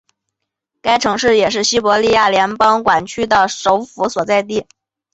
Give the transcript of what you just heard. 该城市也是西伯利亚联邦管区的首府所在地。